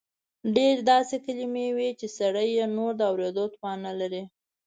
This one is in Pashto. ډېر داسې کلیمې وې چې سړی یې نور د اورېدو توان نه لري.